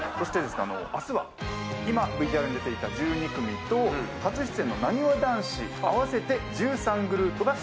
⁉明日は今ＶＴＲに出ていた１２組と初出演のなにわ男子合わせて１３グループが総出演と。